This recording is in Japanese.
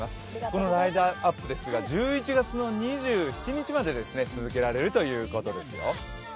このライトアップ、１１月の２７日まで続けられるということですよ。